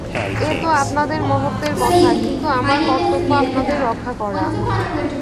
এ তো আপনাদের মহত্ত্বের কথা, কিন্তু আমার কর্তব্য আপনাদের রক্ষা করা।